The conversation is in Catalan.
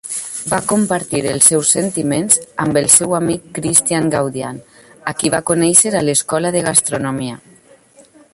Va compartir els seus sentiments amb el seu amic Christian Gaudian a qui va conèixer a l'escola de gastronomia.